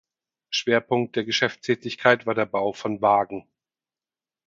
Schwerpunkt der Geschäftstätigkeit war der Bau von Waagen.